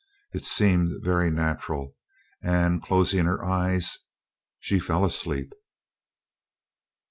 It seemed very natural; and closing her eyes, she fell asleep.